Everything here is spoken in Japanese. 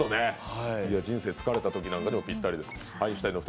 人生疲れたときなんかもぴったりです。